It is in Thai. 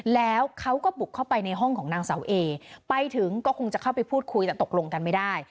แล้วเขาก็บุกเข้าไปในห้องของนางเสาเอไปถึงก็คงจะเข้าไปพูดคุยแต่ตกลงกันไม่ได้